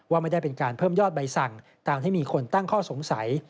ไม่ได้เป็นการเพิ่มยอดใบสั่งตามที่มีคนตั้งข้อสงสัย